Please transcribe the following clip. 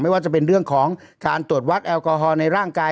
ว่าจะเป็นเรื่องของการตรวจวัดแอลกอฮอลในร่างกาย